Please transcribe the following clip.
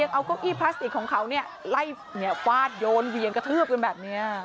เอาโก้กี้พลาสติกของเขาเนี่ยไล่เนี่ยวาดโยนเวียนกระเทือบกันแบบเนี่ย